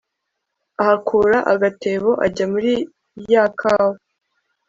ahakura agatebo, ajya muri ya kawa